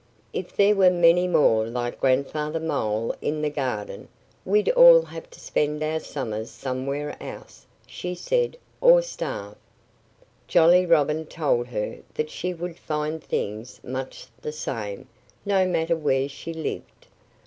"If there were many more like Grandfather Mole in the garden we'd all have to spend our summers somewhere else," she said, "or starve." Jolly Robin told her that she would find things much the same, no matter where she lived.